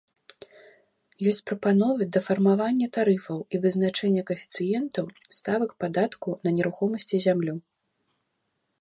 Ёсць прапановы да фармавання тарыфаў і вызначэння каэфіцыентаў ставак падатку на нерухомасць і зямлю.